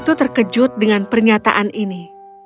itu terkejut dengan pernyataan ini